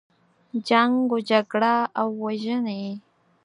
جنګ و جګړه او وژنې.